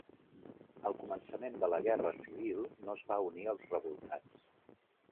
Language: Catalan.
Al començament de la Guerra civil no es va unir als revoltats.